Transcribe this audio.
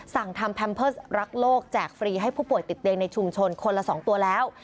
สั่งทำแพมเพิร์สรักโลกแจกฟรีให้ผู้ป่วยติดเตียงในชุมชนคนละ๒ตัวแล้ว